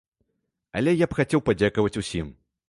Але я б хацеў падзякаваць усім.